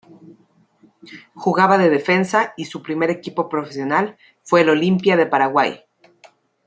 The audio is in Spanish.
Jugaba de defensa y su primer equipo profesional fue el Olimpia de Paraguay.